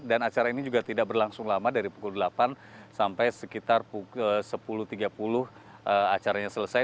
dan acara ini juga tidak berlangsung lama dari pukul delapan sampai sekitar pukul sepuluh tiga puluh acaranya selesai